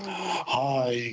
はい。